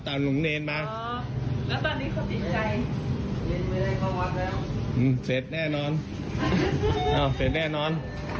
เสร็จแน่นอน